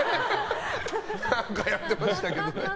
何かやってましたけど。